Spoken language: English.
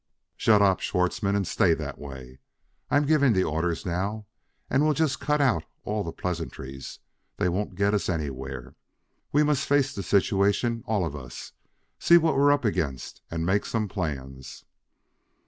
"Shut up, Schwartzmann, and stay that way; I'm giving the orders now. And we'll just cut out all the pleasantries; they won't get us anywhere. We must face the situation, all of us; see what we're up against and make some plans."